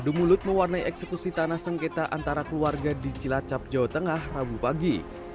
adu mulut mewarnai eksekusi tanah sengketa antara keluarga di cilacap jawa tengah rabu pagi